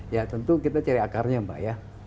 ya tentu kita cari akarnya mbak ya